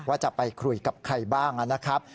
ว่าจะไปคุยกับใครบ้างนะครับ